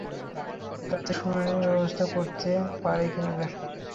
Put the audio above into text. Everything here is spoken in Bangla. রাতেই শুনানির ব্যবস্থা করতে পারে কি না দেখো।